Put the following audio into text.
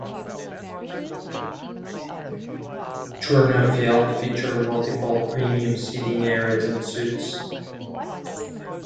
Turner Field featured multiple premium seating areas and suites.